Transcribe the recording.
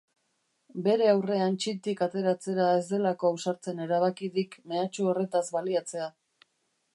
Bere aurrean txintik ateratzera ez delako ausartzen erabaki dik mehatxu horretaz baliatzea.